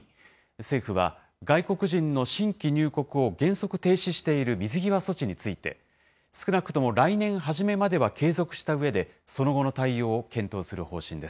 政府は外国人の新規入国を原則停止している水際措置について、少なくとも来年初めまでは継続したうえで、その後の対応を検討する